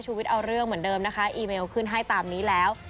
วิทย์เอาเรื่องเหมือนเดิมนะคะอีเมลขึ้นให้ตามนี้แล้ว